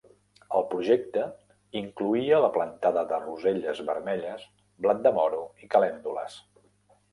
El projecte incloïa la plantada de roselles vermelles, blat de moro i caléndules.